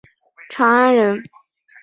长安人。